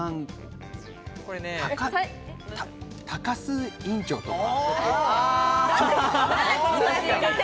高須院長とか。